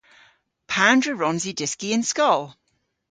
Pandr'a wrons i dyski y'n skol?